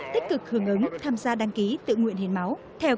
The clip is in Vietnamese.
tích cực hưởng ứng tham gia đăng ký tự nguyện hiến máu